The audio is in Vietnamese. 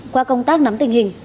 qua công tác nắm tình hình